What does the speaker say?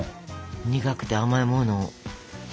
苦くて甘いもの。